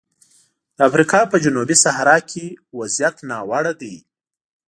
د افریقا په جنوبي صحرا کې وضعیت ناوړه دی.